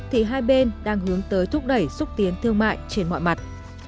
thì hai bên đang hướng tới thúc đẩy xúc tiến thương mại trên mọi mặt